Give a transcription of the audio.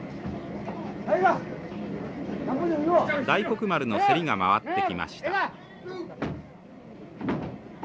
大黒丸の競りが回ってきました。